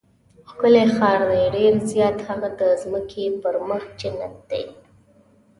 ښکلی ښار دی؟ ډېر زیات، هغه د ځمکې پر مخ جنت دی.